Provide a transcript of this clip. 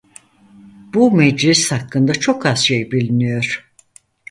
Bu meclis hakkında çok az şey biliniyor.